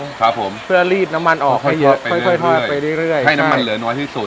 ครับผมเพื่อรีดน้ำมันออกให้เยอะค่อยค่อยทอดไปเรื่อยเรื่อยให้น้ำมันเหลือน้อยที่สุด